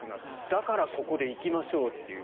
だからここで行きましょうという